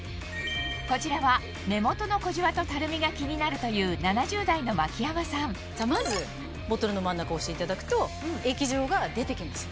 こちらは目元の小じわとたるみが気になるというまずボトルの真ん中を押していただくと液状が出てきます。